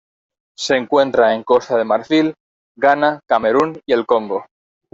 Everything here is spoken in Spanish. Se encuentra en Costa de Marfil, Ghana, Camerún y el Congo.